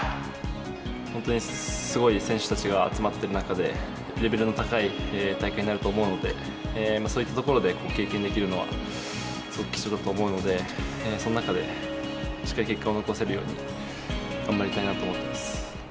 本当にすごい選手たちが集まっている中で、レベルの高い大会になると思うので、そういったところで経験できるのは、すごく貴重だと思うので、その中でしっかり結果を残せるように頑張りたいなと思ってます。